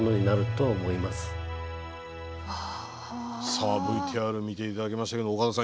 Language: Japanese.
さあＶＴＲ見て頂きましたけど岡田さん